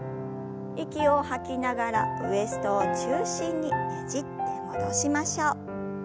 息を吐きながらウエストを中心にねじって戻しましょう。